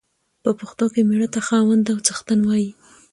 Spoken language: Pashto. په پښتو کې مېړه ته خاوند او څښتن وايي.